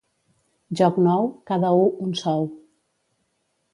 Joc nou, cada u un sou.